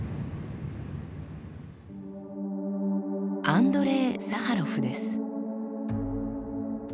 アンドレイ・サハロフです。